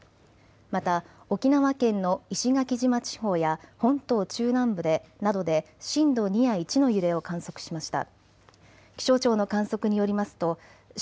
また沖縄県の石垣島地方や本島中南部などで震度２や１の揺れを観測しました。